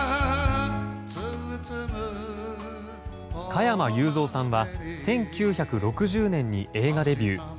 加山雄三さんは１９６０年に映画デビュー。